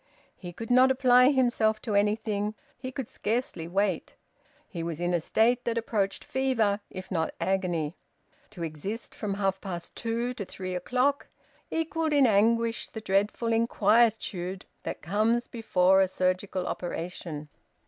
He could not apply himself to anything; he could scarcely wait. He was in a state that approached fever, if not agony. To exist from half past two to three o'clock equalled in anguish the dreadful inquietude that comes before a surgical operation.